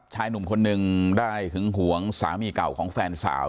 ชายหนุ่มคนหนึ่งได้หึงหวงสามีเก่าของแฟนสาว